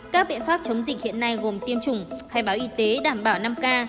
các biện pháp chống dịch hiện nay gồm tiêm chủng khai báo y tế đảm bảo năm k